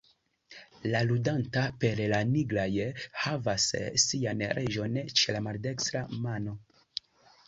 La ludanta per la nigraj havas sian reĝon ĉe la maldekstra mano.